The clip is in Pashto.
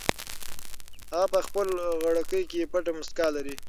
هغه په خپلې غړکۍ کې پټه موسکا لري.